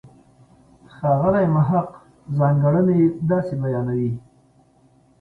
ښاغلی محق ځانګړنې داسې بیانوي.